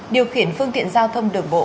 điều khiển phương tiện giao thông đường bộ